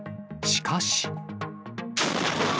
しかし。